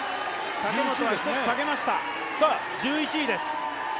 武本は１つ下げました、１１位です。